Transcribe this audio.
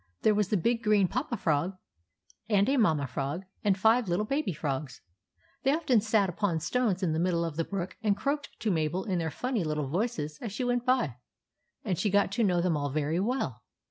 There was the big green papa frog, and a mamma frog, and five little baby frogs. They often sat upon stones in the middle of the brook and croaked to Mabel in their funny little voices as she went by, and she got to know them all very well.